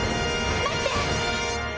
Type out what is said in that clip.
待って！